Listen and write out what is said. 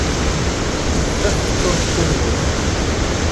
Bezzaf teččur tkurmut.